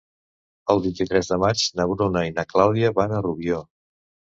El vint-i-tres de maig na Bruna i na Clàudia van a Rubió.